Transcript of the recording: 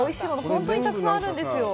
本当にたくさんあるんですよ。